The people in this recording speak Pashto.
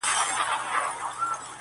چي زموږ څه واخله دا خيرن لاســـــونه!!